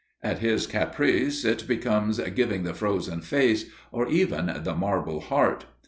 At his caprice it becomes giving "the frozen face" or even "the marble heart."